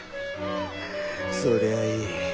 そりゃあいい。